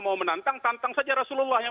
mau menantang tantang saja rasulullah yang